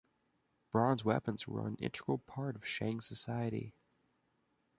Bronze weapons were an integral part of Shang society.